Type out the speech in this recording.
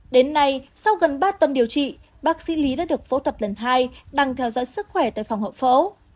đến nay sau gần ba tuần điều trị bác sĩ lý đã được phẫu thuật lần hai đang theo dõi sức khỏe tại phòng hậu phẫu